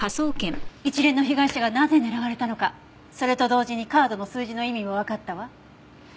一連の被害者がなぜ狙われたのかそれと同時にカードの数字の意味もわかったわ。